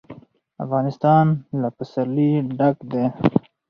افغانستان له پسرلی ډک دی.